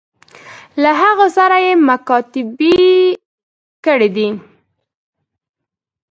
له هغوی سره یې مکاتبې کړي دي.